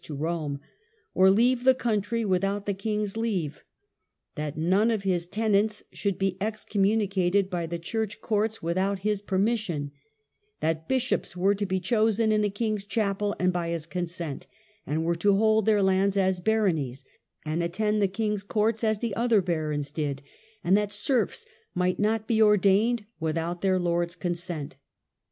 to Rome) or leave the country without the ' king's leave; that none of his tenants should be excommuni cated by the church courts without his permission; that bishops were to be chosen in the king's chapel and by his consent, and were to hold their lands as baronies, and attend the king's courts as the other barons did; and that serfs might not be ordained without their lord's consent.